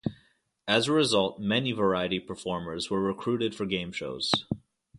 As a result, many variety performers were recruited for game shows.